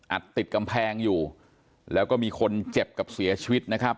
ติดกำแพงอยู่แล้วก็มีคนเจ็บกับเสียชีวิตนะครับ